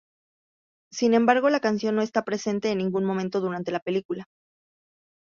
Sin embargo, la canción no está presente en ningún momento durante la película.